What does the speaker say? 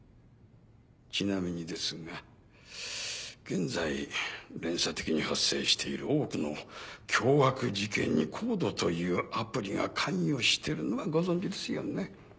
ちなみにですが現在連鎖的に発生している多くの凶悪事件にＣＯＤＥというアプリが関与してるのはご存じですよね？